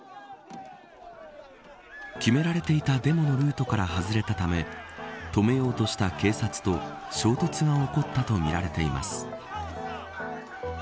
決められていたデモのルートから外れたため止めようとした警察と衝突が起こったとみられています。